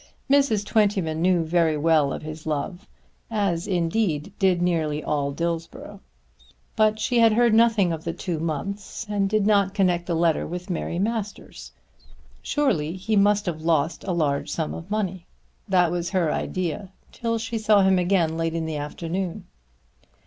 Mrs. Twentyman knew very well of his love, as indeed did nearly all Dillsborough; but she had heard nothing of the two months and did not connect the letter with Mary Masters. Surely he must have lost a large sum of money. That was her idea till she saw him again late in the afternoon.